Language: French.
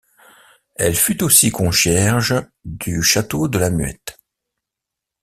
Elle fut aussi concierge du château de la Muette.